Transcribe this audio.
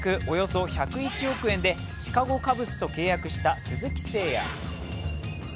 およそ１０１億円でシカゴ・カブスと契約した鈴木誠也